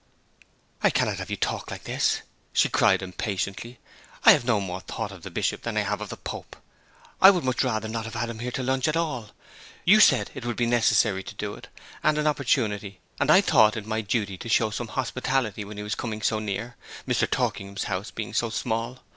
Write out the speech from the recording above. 'I cannot have you talk like this,' she cried impatiently. 'I have no more thought of the Bishop than I have of the Pope. I would much rather not have had him here to lunch at all. You said it would be necessary to do it, and an opportunity, and I thought it my duty to show some hospitality when he was coming so near, Mr. Torkingham's house being so small.